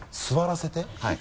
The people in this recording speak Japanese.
はい。